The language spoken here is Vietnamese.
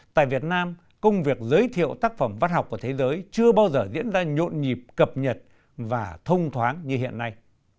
tại việt nam công việc giới thiệu tác phẩm văn học của thế giới chưa bao giờ diễn ra nhộn nhịp cập nhật và thông thoáng như hiện nay